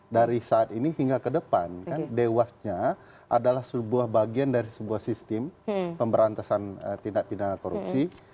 dari saat ini hingga ke depan kan dewasnya adalah sebuah bagian dari sebuah sistem pemberantasan tindak pidana korupsi